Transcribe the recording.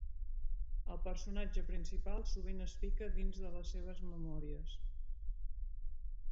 El personatge principal sovint es fica dins de les seves memòries.